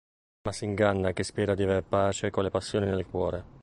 Ma s'inganna chi spera aver pace colle passioni nel cuore.